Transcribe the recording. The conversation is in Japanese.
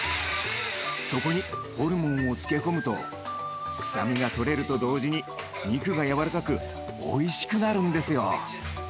そこにホルモンを漬け込むと臭みがとれると同時に肉が柔らかくおいしくなるんですよ。